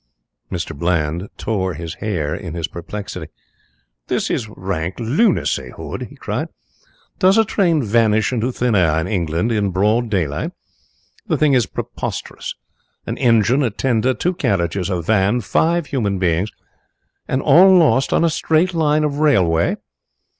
Mr. Bland tore his hair in his perplexity. "This is rank lunacy, Hood!" he cried. "Does a train vanish into thin air in England in broad daylight? The thing is preposterous. An engine, a tender, two carriages, a van, five human beings and all lost on a straight line of railway!